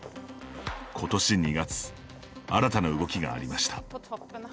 今年２月新たな動きがありました。